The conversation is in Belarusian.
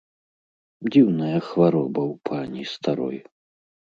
Дзіўная хвароба ў пані старой.